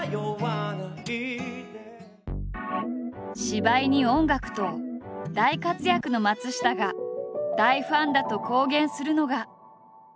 芝居に音楽と大活躍の松下が大ファンだと公言するのが。